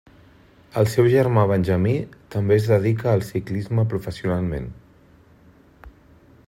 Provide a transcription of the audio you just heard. El seu germà Benjamí també es dedica al ciclisme professionalment.